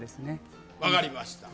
わかりました